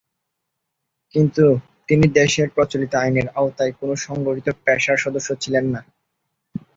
কিন্তু তিনি দেশের প্রচলিত আইনের আওতায় কোনো সংগঠিত পেশার সদস্য ছিলেন না।